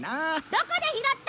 どこで拾った？